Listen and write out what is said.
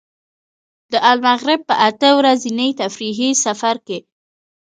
د المغرب په اته ورځني تفریحي سفر کې.